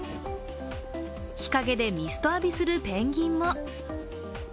日陰でミスト浴びするペンギンも。